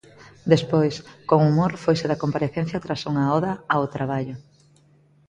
Despois, con humor foise da comparecencia tras unha oda ao traballo.